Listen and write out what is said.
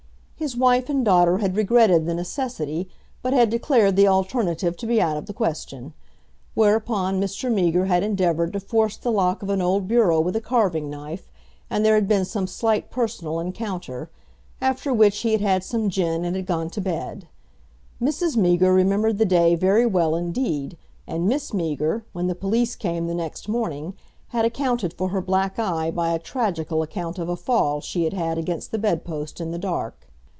His wife and daughter had regretted the necessity, but had declared the alternative to be out of the question. Whereupon Mr. Meager had endeavoured to force the lock of an old bureau with a carving knife, and there had been some slight personal encounter, after which he had had some gin and had gone to bed. Mrs. Meager remembered the day very well indeed, and Miss Meager, when the police came the next morning, had accounted for her black eye by a tragical account of a fall she had had against the bed post in the dark.